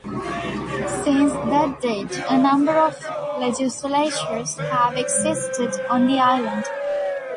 Since that date a number of legislatures have existed on the island.